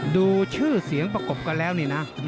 ดูชื่อเสียงประกบกันแล้วนี่นะ